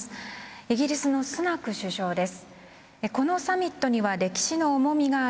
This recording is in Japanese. イギリスのスナク首相です。